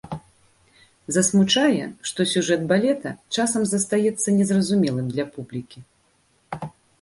Засмучае, што сюжэт балета часам застаецца незразумелым для публікі.